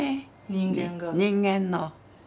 人間が？人間の。